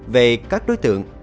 về các đối tượng